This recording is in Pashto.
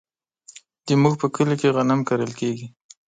زمونږ په کلي کې غنم کرل کیږي.